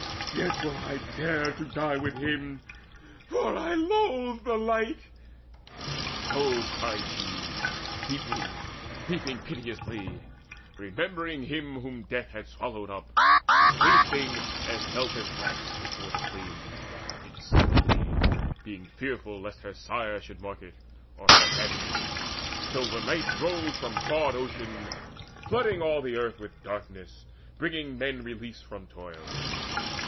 yet will I Dare to die with him, for I loathe the light." So cried she, weeping, weeping piteously, Remembering him whom death had swallowed up, Wasting, as melteth wax before the flame Yet secretly, being fearful lest her sire Should mark it, or her handmaids till the night Rose from broad Ocean, flooding all the earth With darkness bringing men release from toil.